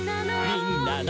「みんなの」